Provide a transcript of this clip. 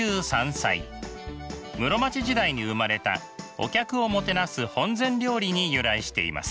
室町時代に生まれたお客をもてなす本膳料理に由来しています。